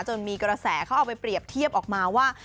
มีกระแสเขาเอาไปเปรียบเทียบออกมาว่า